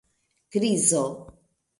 krizo